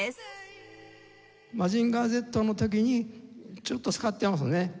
『マジンガーＺ』の時にちょっと使ってますね。